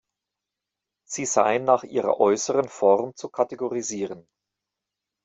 Sie seien nach ihrer äußeren Form zu kategorisieren.